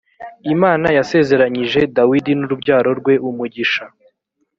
imana yasezeranyije dawidi n ‘urubyaro rwe umugisha.